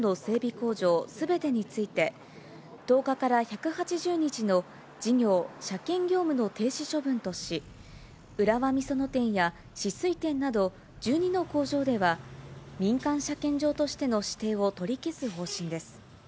工場すべてについて、１０日から１８０日の事業・車検業務の停止処分とし、浦和美園店や酒々井店など、１２の工場では民間車検場としての指定を取り消す方針です。